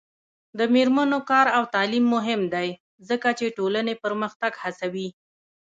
د میرمنو کار او تعلیم مهم دی ځکه چې ټولنې پرمختګ هڅوي.